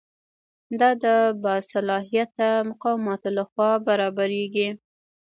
دا د باصلاحیته مقاماتو لخوا برابریږي.